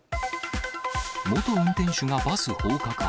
元運転手がバス放火か。